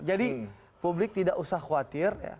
publik tidak usah khawatir